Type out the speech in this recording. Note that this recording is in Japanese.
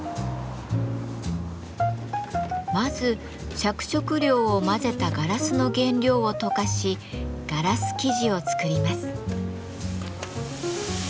まず着色料を混ぜたガラスの原料を溶かしガラス素地を作ります。